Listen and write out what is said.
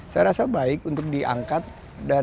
saya rasa baik untuk diangkat dan kita buktikan